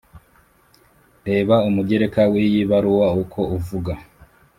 Reba Umugereka wiyi baruwa uko uvuga